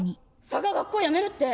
サガ学校やめるって。